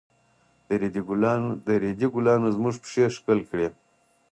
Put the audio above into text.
د ريدي ګلانو زموږ پښې ښکل کړې.